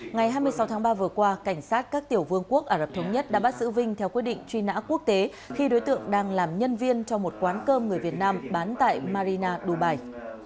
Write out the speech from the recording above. ngày hai mươi sáu tháng ba vừa qua cảnh sát các tiểu vương quốc ả rập thống nhất đã bắt giữ vinh theo quyết định truy nã quốc tế khi đối tượng đang làm nhân viên cho một quán cơm người việt nam bán tại marina dubai